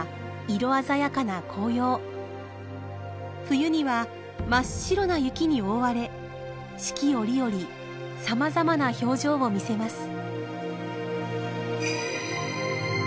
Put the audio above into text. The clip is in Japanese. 冬には真っ白な雪に覆われ四季折々さまざまな表情を見せます。